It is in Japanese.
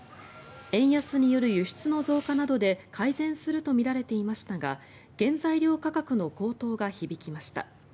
円安による輸出の増加などで改善するとみられていましたが原材料価格の高騰が響きました。